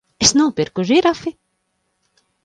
Es nopirku žirafi!